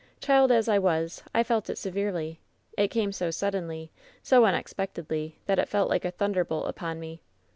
Child as I was, I felt it severely. It came so suddenly, so unex pectedly, that it fell like a thunderbolt upon me.